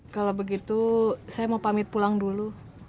kalau begitu saya mau pamit pulang dulu